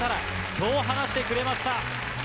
そう話してくれました。